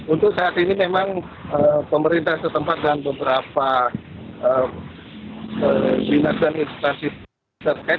untuk saat ini memang pemerintah setempat dan beberapa dinas dan instansi terkait